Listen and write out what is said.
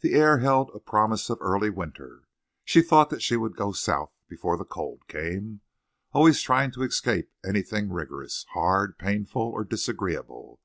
The air held a promise of early winter. She thought that she would go South before the cold came. Always trying to escape anything rigorous, hard, painful, or disagreeable!